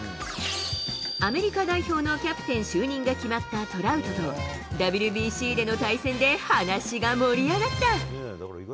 アメリカ代表のキャプテン就任が決まったトラウトと、ＷＢＣでの対戦で話が盛り上がった。